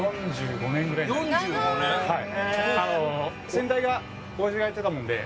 先代がおやじがやってたもんで。